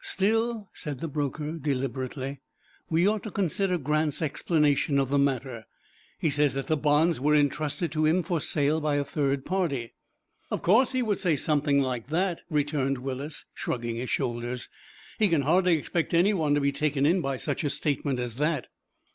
"Still," said the broker, deliberately, "we ought to consider Grant's explanation of the matter. He says that the bonds were intrusted to him for sale by a third party." "Of course he would say something like that," returned Willis, shrugging his shoulders. "He can hardly expect anyone to be taken in by such a statement as that."